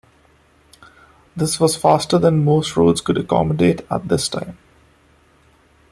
This was faster than most roads could accommodate at this time.